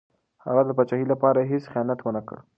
هغه د پاچاهۍ لپاره هېڅ خیانت ونه کړ.